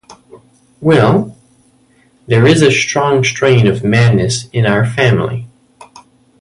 Well, there is a strong strain of madness in our family.